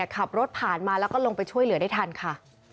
ขับรถผ่านมาแล้วก็ลงไปช่วยเหลือได้ทันค่ะ